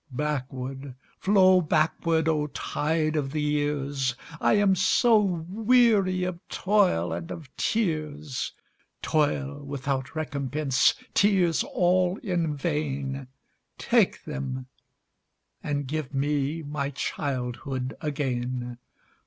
Backward, flow backward, O tide of the years!I am so weary of toil and of tears,—Toil without recompense, tears all in vain,—Take them, and give me my childhood again!